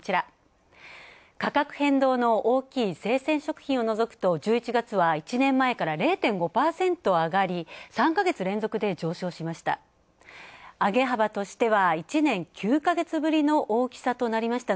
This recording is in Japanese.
価格変動の大きい生鮮食品を除くと１１月は１年前から０．５％上がり、３か月連続で上昇しました。